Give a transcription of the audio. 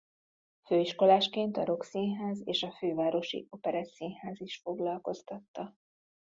Főiskolásként a Rock Színház és a Fővárosi Operettszínház is foglalkoztatta.